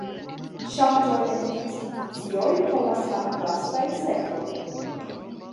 Ŝanĝoj en institucioj povas havi vastajn sekvojn.